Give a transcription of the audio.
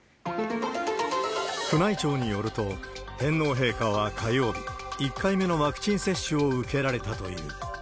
宮内庁によると、天皇陛下は火曜日、１回目のワクチン接種を受けられたという。